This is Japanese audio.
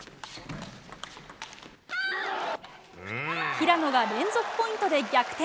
平野が連続ポイントで逆転。